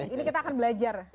ini kita akan belajar